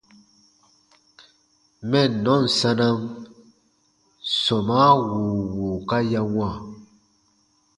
Mɛnnɔn sanam sɔmaa wùu wùuka ya wãa.